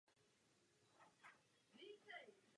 Zdá se, že Komise je technokratickou institucí.